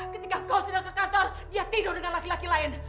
ketika kau sudah ke kantor dia tidur dengan laki laki lain